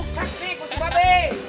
gue sakti gue sumpah be